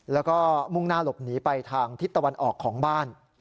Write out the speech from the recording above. แล้วก็มุ่งหน้าหลบหนีไปทางทิศตะวันออกของบ้าน